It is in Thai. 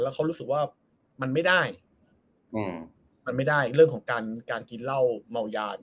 เขารู้สึกว่ามันไม่ได้อืมมันไม่ได้เรื่องของการการกินเหล้าเมายา